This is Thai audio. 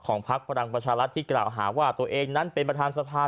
พักพลังประชารัฐที่กล่าวหาว่าตัวเองนั้นเป็นประธานสภา